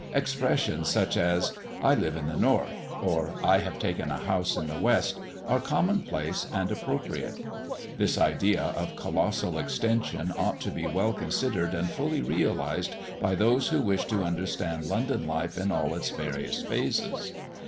Expressions, such as "I live in the North," or, "I have taken a house in the West," are common place and appropriate. This idea of colossal extension ought to be well considered and fully realised by those who wish to understand London life in all its various phases.